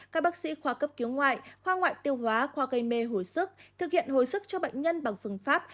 các bác sĩ khoa cấp cứu ngoại khoa ngoại tiêu hóa khoa gây mê hồi sức thực hiện hồi sức cho bệnh nhân bằng phương pháp